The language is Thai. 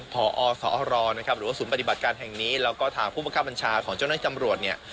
พอสอรนะครับหรือว่าศูนย์ปฏิบัติการแห่งนี้แล้วก็ทางผู้บังคับบัญชาของเจ้าหน้าที่ตำรวจเนี่ย